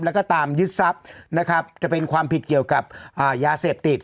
แล้วก็ตามยึดทรัพย์นะครับจะเป็นความผิดเกี่ยวกับยาเสพติด